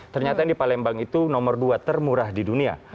ternyata di palembang itu nomor dua termurah di dunia